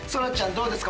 どうですか？